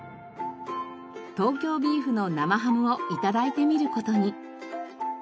東京ビーフの生ハムを頂いてみる事に。